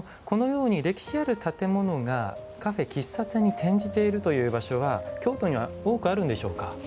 このように歴史ある建物がカフェ・喫茶店に転じているという場所は京都には多くあるんでしょうか？